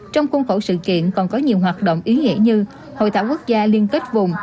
trong khuôn khổ sự kiện còn có nhiều hoạt động ý nghĩa như hội thảo quốc gia liên kết vùng